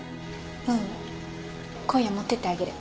ううん今夜持っていってあげる。